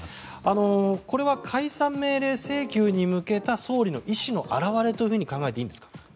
これは解散命令請求に向けた総理の意思の表れと考えていいんでしょうか。